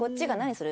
それ！